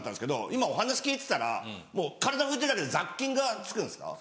今お話聞いてたら体拭いてるだけで雑菌がつくんですか？